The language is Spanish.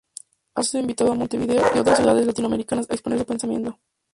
Ha sido invitado a Montevideo y otras ciudades latinoamericanas a exponer su pensamiento.